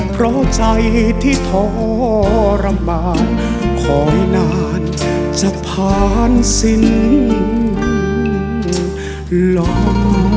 เพราะใจที่ทรมานคอยนานจะผ่านสิ้นล้อม